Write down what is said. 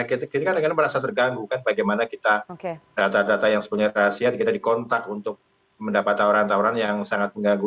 kita kadang kadang merasa terganggu kan bagaimana kita data data yang sebenarnya rahasia kita dikontak untuk mendapat tawaran tawaran yang sangat mengganggu